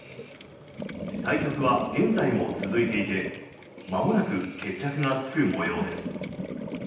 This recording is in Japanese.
対局は現在も続いていてまもなく決着がつく模様です。